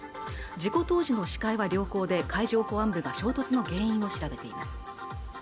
事故当時の視界は良好で海上保安部が衝突の原因を調べています